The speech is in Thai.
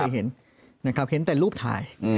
เห็นแต่รูปถ่าย